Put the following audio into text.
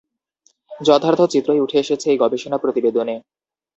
যথার্থ চিত্রই উঠে এসেছে এই গবেষণা প্রতিবেদনে।